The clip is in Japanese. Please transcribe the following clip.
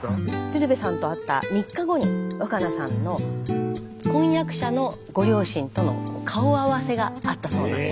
鶴瓶さんと会った３日後に和可菜さんの婚約者のご両親との顔合わせがあったそうです。